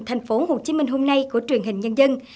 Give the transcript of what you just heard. thành phố hồ chí minh hôm nay của truyền hình nhân dân